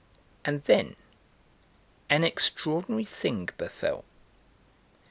And then an extraordinary thing befell.